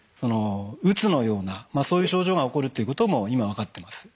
うつのようなそういう症状が起こるということも今分かっています。